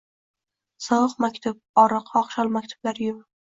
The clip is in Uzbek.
Sovuq maktub, oriq, qoqshol maktublar uyumi…